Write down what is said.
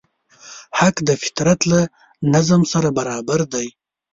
حق د فطرت له نظم سره برابر دی.